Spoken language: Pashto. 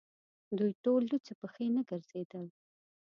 دوی ټول لڅې پښې نه ګرځېدل.